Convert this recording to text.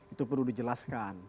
itu perlu dijelaskan